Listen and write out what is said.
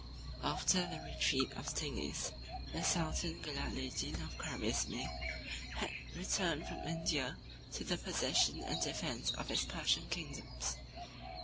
—M.] After the retreat of Zingis, the sultan Gelaleddin of Carizme had returned from India to the possession and defence of his Persian kingdoms.